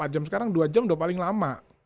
empat jam sekarang dua jam udah paling lama